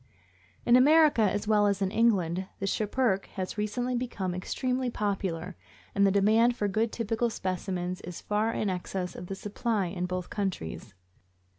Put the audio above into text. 667 In America, as well as in England, the Schipperke has recently become extremely popular, and the demand for good typical specimens is far in excess of the supply in both countries.